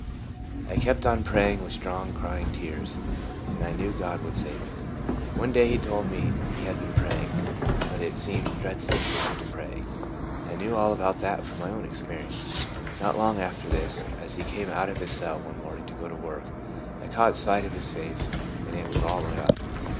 I kept on praying with strong crying and tears, and I knew God would save him. One day he told me he had been praying, but it seemed dreadful to him to pray. I knew all about that from my own experience. Not long after.this, as he came out of his cell one morning to go to work, I caught sight of his face, and it was all lit up.